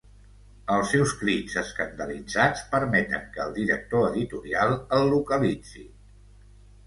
Els seus crits escandalitzats permeten que el director editorial el localitzi.